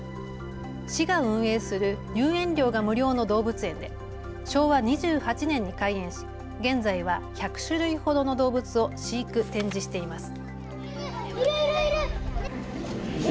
市が運営する入園料が無料の動物園で昭和２８年に開園し現在は１００種類ほどの動物を飼育・展示しています。